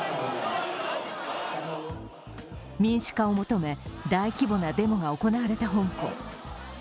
民主化を求め、大規模なデモが行われた香港。